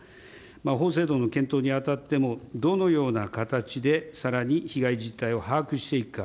法制度の検討にあたっても、どのような形でさらに被害実態を把握していくか。